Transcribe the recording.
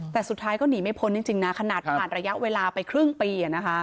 แต่สุดท้ายก็หนีไม่พ้นจริงนะขนาดผ่านระยะเวลาไปครึ่งปี